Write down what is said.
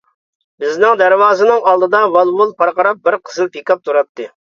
بىزنىڭ دەرۋازىنىڭ ئالدىدا ۋال-ۋۇل پارقىراپ بىر قىزىل پىكاپ تۇراتتى.